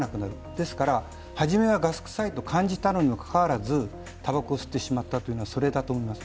ですから、初めはガス臭いと感じたにもかかわらずたばこを吸ってしまったというのはそれだと思います。